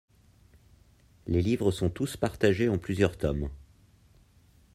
Les livres sont tous partagés en plusieurs tomes.